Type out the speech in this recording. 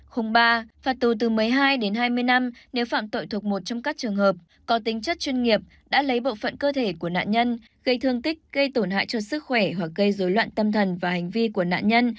khung ba phạt tù từ một mươi hai đến hai mươi năm nếu phạm tội thuộc một trong các trường hợp có tính chất chuyên nghiệp đã lấy bộ phận cơ thể của nạn nhân gây thương tích gây tổn hại cho sức khỏe hoặc gây dối loạn tâm thần và hành vi của nạn nhân